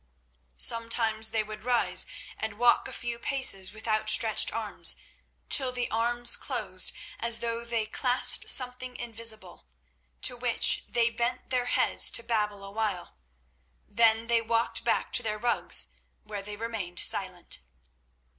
Sometimes they would rise and walk a few paces with outstretched arms, till the arms closed as though they clasped something invisible, to which they bent their heads to babble awhile. Then they walked back to their rugs again, where they remained silent.